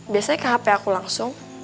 biasanya ke hp aku langsung